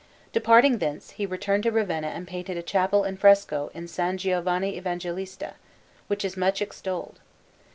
Departing thence, he returned to Ravenna and painted a chapel in fresco in S. Giovanni Evangelista, which is much extolled.